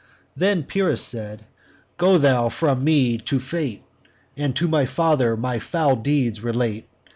"Then Pyrrhus thus: 'Go thou from me to fate, And to my father my foul deeds relate.